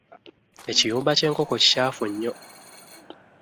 Ekiyumba ky'enkoko kikyaafu nnyo.